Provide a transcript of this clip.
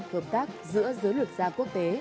hợp tác giữa giới luật gia quốc tế